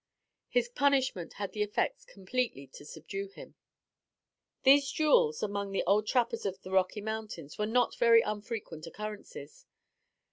His punishment had the effect completely to subdue him. These duels among the old trappers of the Rocky Mountains were not very unfrequent occurrences.